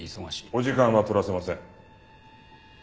お時間は取らせません。